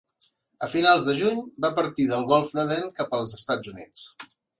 A finals de juny, va partir del golf d'Aden cap als Estats Units.